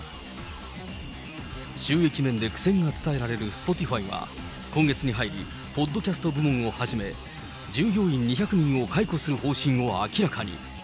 収益面で苦戦が伝えられるスポティファイは、今月に入り、ポッドキャスト部門をはじめ、従業員２００人を解雇する方針を明らかに。